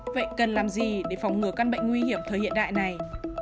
vậy cần làm gì để phòng ngừa căn bệnh nguy hiểm thời hiện đại này